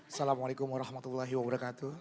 assalamu'alaikum warahmatullahi wabarakatuh